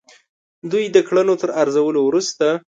دوی د کړنو تر ارزولو وروسته.